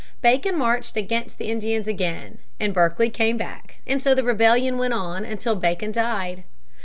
Bacon marched against the Indians again, and Berkeley came back, and so the rebellion went on until Bacon died.